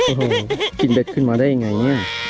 โอ้โหกินเบ็ดขึ้นมาได้ยังไงเนี่ย